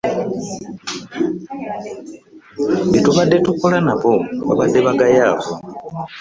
Be tubadde tukola nabo babadde bagayaavu.